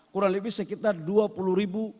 kurang lebih sekitar dua puluh ribu